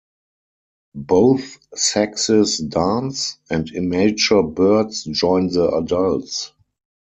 Both sexes dance, and immature birds join the adults.